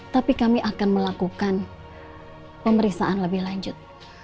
tapi kami akan melakukan pemeriksaan lebih lanjut